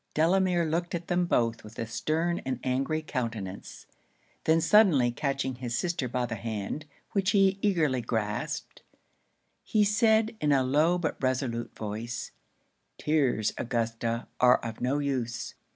Delamere looked at them both with a stern and angry countenance; then suddenly catching his sister by the hand, which he eagerly grasped, he said, in a low but resolute voice 'Tears, Augusta, are of no use.